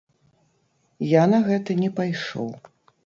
Я на гэта не пайшоў.